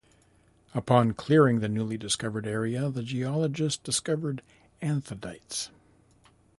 Upon clearing the newly discovered area, the geologist discovered anthodites.